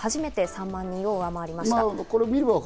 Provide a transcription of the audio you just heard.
初めて３万人を上回りました。